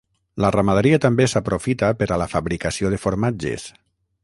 La ramaderia també s'aprofita per a la fabricació de formatges.